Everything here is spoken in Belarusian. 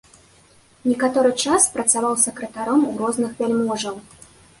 Некаторы час працаваў сакратаром у розных вяльможаў.